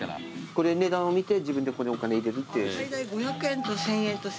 これ値段を見て自分でここにお金を入れるっていう？